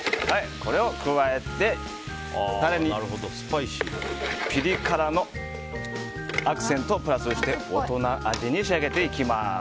これを加えてタレにピリ辛のアクセントをプラスして大人味に仕上げていきます。